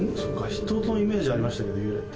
人のイメージありましたけど幽霊って。